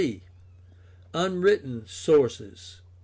c) Unwritten sources.